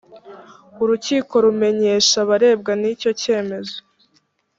urukiko rubimenyesha abarebwa n’icyo cyemezo